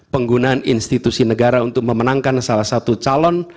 penggunaan institusi negara untuk memenangkan salah satu calon